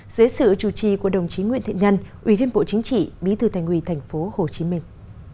dưới sự chủ trì của đồng chí nguyễn thị nhân ubnd bí thư thành quỳ thành phố hồ chí minh